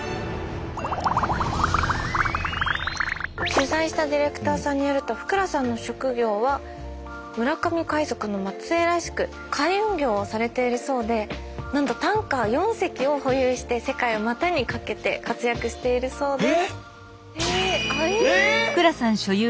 取材したディレクターさんによると福羅さんの職業は村上海賊の末えいらしく海運業をされているそうでなんとタンカー４隻を保有して世界を股にかけて活躍しているそうです。え！？うわ！